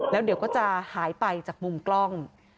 แล้วเดี๋ยวก็จะหายไปจากมุมกล้อง